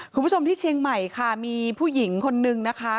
คุณผู้ชมที่เชียงใหม่ค่ะมีผู้หญิงคนนึงนะคะ